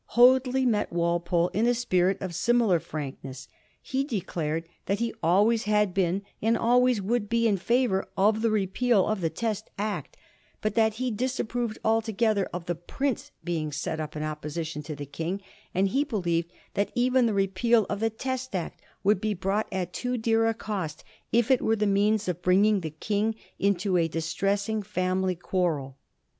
Hoadley met Walpole i» a spirit of similar frankness. He declared that he always had been and always should be in favor of the repeal of the Test Act, but that he disapproved altogether of the prince being set up in opposition to the King; and he believed that even the repeal of the Test Act would be bought at too dear a cost if it were the means of bringing the King into a distressing family quarrel.